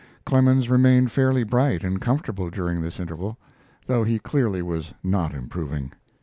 Clemens remained fairly bright and comfortable during this interval, though he clearly was not improving.